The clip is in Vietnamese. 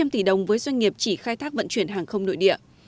ba trăm linh tỷ đồng với doanh nghiệp chỉ khai thác vận chuyển hàng không nội địa